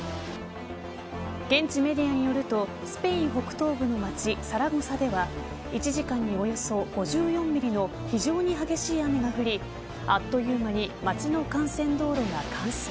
現地メディアによるとスペイン北東部の町サラゴサでは１時間におよそ５４ミリの非常に激しい雨が降りあっという間に街の幹線道路が冠水。